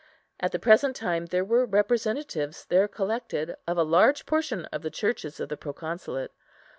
At the present time there were representatives, there collected, of a large portion of the Churches of the Proconsulate.